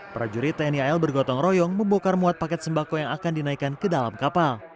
prajurit tni al bergotong royong membokar muat paket sembako yang akan dinaikkan ke dalam kapal